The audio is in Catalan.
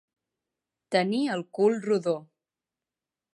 Tenir el cul rodó.